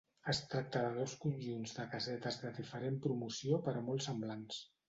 Es tracta de dos conjunts de casetes de diferent promoció però molt semblants.